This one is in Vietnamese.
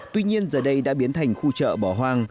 tuy nhiên giờ đây đã biến thành khu chợ bỏ hoang